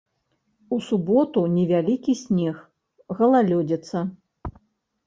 У суботу невялікі снег, галалёдзіца.